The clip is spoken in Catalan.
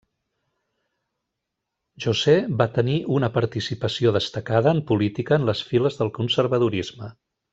José va tenir una participació destacada en política en les files del conservadorisme.